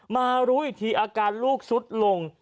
มารู้อีกทีอาการลูกสุดลง